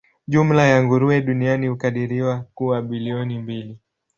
Jumla ya nguruwe duniani hukadiriwa kuwa bilioni mbili.